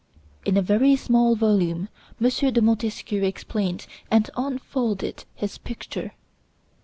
In a very small volume M. de Montesquieu explained and unfolded his picture.